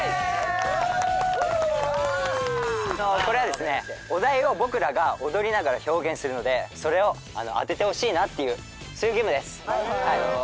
これはですねお題を僕らが踊りながら表現するのでそれを当ててほしいなっていうそういうゲームです。